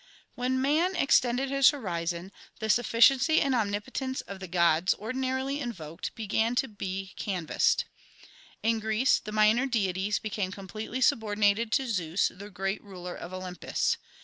2 When man extended his horizon, the sufficiency and omnipotence of the gods ordinarily invoked began to be canvassed. In Greece the minor deities became completely subordinated to Zeus, the great ruler of Olympus.